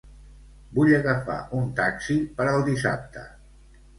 Vull agafar un taxi per al dissabte.